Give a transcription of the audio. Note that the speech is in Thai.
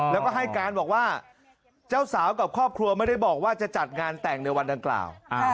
แล้วก็ให้การบอกว่าเจ้าสาวกับครอบครัวไม่ได้บอกว่าจะจัดงานแต่งในวันดังกล่าว